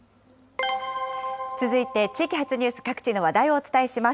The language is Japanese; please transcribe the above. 続いて地域発ニュース、各地の話題をお伝えします。